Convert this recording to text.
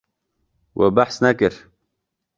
We behs nekir.